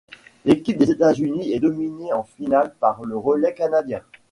L'équipe des États-Unis est dominée en finale par le relais canadien.